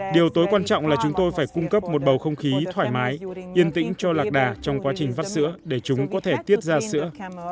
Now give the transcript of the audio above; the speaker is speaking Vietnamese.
điều tối quan trọng là chúng tôi phải cung cấp một bầu không khí thoải mái yên tĩnh cho lạc đà trong quá trình vắt sữa để chúng có thể tiết ra sữa